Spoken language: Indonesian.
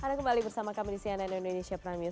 anda kembali bersama kami di cnn indonesia prime news